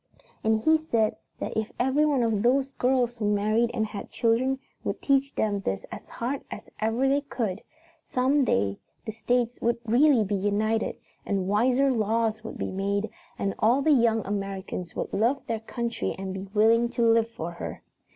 "And he said that if every one of those girls who married and had children would teach them this as hard as ever they could, some day the states would really be united, and wiser laws would be made, and all the young Americans would love their country and be willing to live for her.